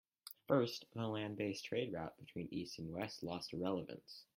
First, the land based trade route between east and west lost relevance.